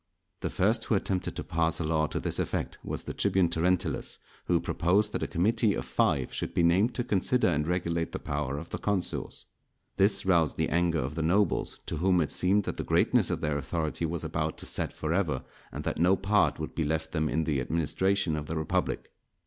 The first who attempted to pass a law to this effect was the tribune Terentillus, who proposed that a committee of five should be named to consider and regulate the power of the consuls. This roused the anger of the nobles, to whom it seemed that the greatness of their authority was about to set for ever, and that no part would be left them in the administration of the republic.